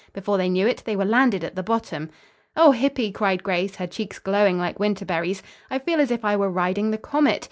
Before they knew it, they were landed at the bottom. "O Hippy," cried Grace, her cheeks glowing like winter berries, "I feel as if I were riding the comet.